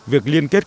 việc liên kết